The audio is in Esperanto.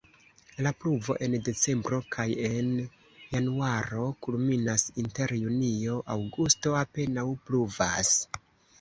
La pluvo en decembro kaj en januaro kulminas, inter junio-aŭgusto apenaŭ pluvas.